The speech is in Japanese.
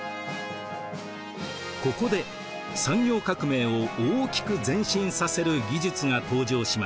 ここで産業革命を大きく前進させる技術が登場します。